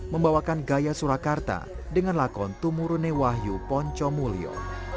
membawakan gaya surakarta dengan lakon tumurune wahyu poncomulyo